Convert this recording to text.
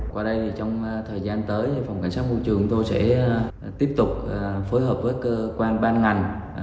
qua đây trong thời gian tới phòng cảnh sát môi trường chúng tôi sẽ tiếp tục phối hợp với cơ quan ban ngành